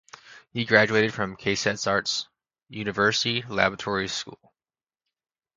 He graduated from the Kasetsart University Laboratory School.